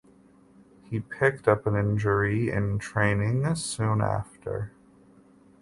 He picked up an injury in training soon after.